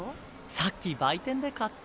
さっき売店で買った。